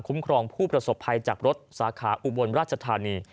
ครองผู้ประสบภัยจากรถสาขาอุบลราชธานี